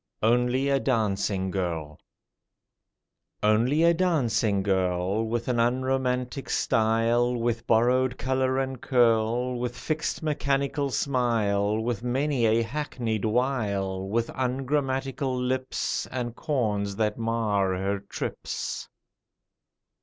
ONLY A DANCING GIRL ONLY a dancing girl, With an unromantic style, With borrowed colour and curl, With fixed mechanical smile, With many a hackneyed wile, With ungrammatical lips, And corns that mar her trips.